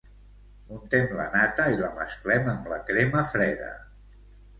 Muntem la nata i la mesclem amb la crema freda.